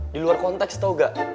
di luar konteks tau gak